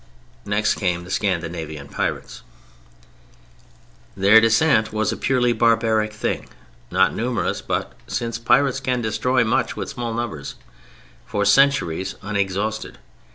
Next came the Scandinavian pirates. Their descent was a purely barbaric thing, not numerous but (since pirates can destroy much with small numbers) for centuries unexhausted.